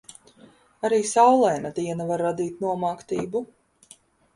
Arī saulaina diena var radīt nomāktību.